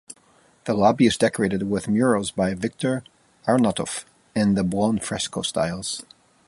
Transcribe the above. The lobby is decorated with murals by Victor Arnautoff in the "buon fresco" styles.